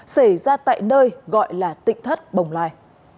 xảy ra tại nơi gọi là tịnh thất bồng lai